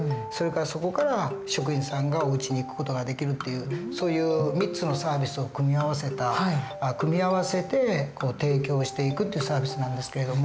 そこから職員さんがおうちに行く事ができるっていうそういう３つのサービスを組み合わせて提供していくっていうサービスなんですけれども。